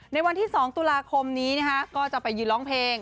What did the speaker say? ในวันที่๒ตุลาคมนี้ก็จะไปยืนร้องเพลง